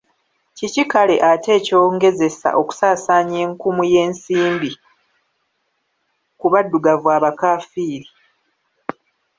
Kiki kale ate ekyongezesa okusaasaanya enkumu y'ensimbi ku baddugavu abakaafiiri?